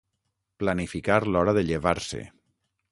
Planificar l’hora de llevar-se.